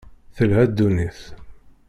Telha ddunit.